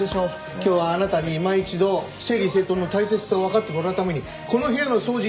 今日はあなたにいま一度整理整頓の大切さをわかってもらうためにこの部屋の掃除